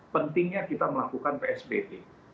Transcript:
pentingnya kita melakukan psbb